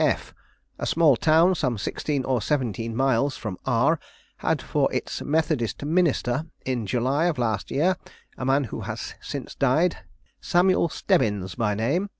F , a small town, some sixteen or seventeen miles from R , had for its Methodist minister, in July of last year, a man who has since died, Samuel Stebbins by name.